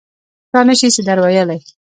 چا نه شي څه در ویلای.